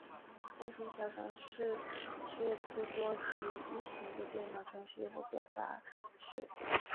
单行小程式是不多于一行的电脑程序或表达式。